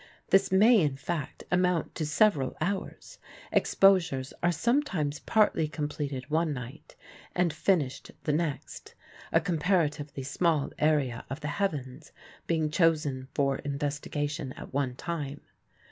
This may, in fact, amount to several hours; exposures are sometimes partly completed one night and finished the next, a comparatively small area of the heavens being chosen for investigation at one time.